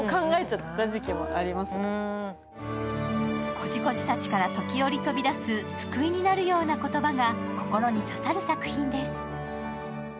コジコジたちから時折飛び出す救いになるような言葉が心に刺さる作品です。